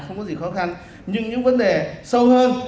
không có gì khó khăn nhưng những vấn đề sâu hơn